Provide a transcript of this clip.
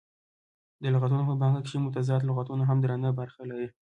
د لغتونه په پانګه کښي متضاد لغتونه هم درنه برخه لري.